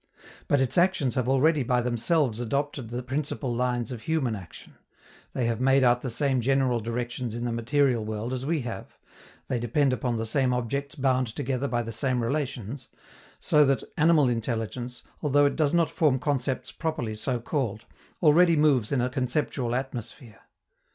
But its actions have already by themselves adopted the principal lines of human action; they have made out the same general directions in the material world as we have; they depend upon the same objects bound together by the same relations; so that animal intelligence, although it does not form concepts properly so called, already moves in a conceptual atmosphere.